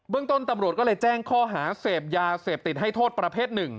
ต้นตำรวจก็เลยแจ้งข้อหาเสพยาเสพติดให้โทษประเภทหนึ่ง